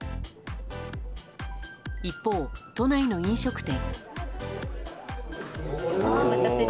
一方、都内の飲食店。